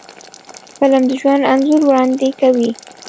فلم د ژوند انځور وړاندې کوي